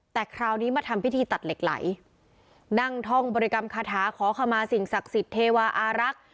แต่คราวนี้มาทำพิธีตัดเหล็กไหลนั่งท่องบริกรรมคาถาขอขมาสิ่งศักดิ์สิทธิ์เทวาอารักษ์